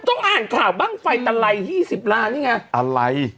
ต้องอ่านภาพบ้างไฟไตลัยหี่สิบล้านนี่ไงอะไร